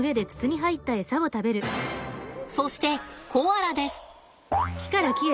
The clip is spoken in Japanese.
そしてコアラです。